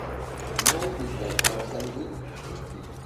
¿Maypita kawsanki?